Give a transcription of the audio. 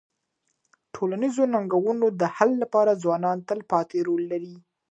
د ټولنیزو ننګونو د حل لپاره ځوانان تلپاتې رول لري.